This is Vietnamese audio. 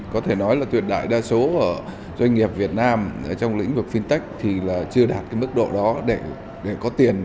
có thể nói là tuyệt đại đa số doanh nghiệp việt nam trong lĩnh vực fintech thì chưa đạt mức độ đó để có tiền